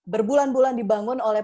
berbulan bulan dibangun oleh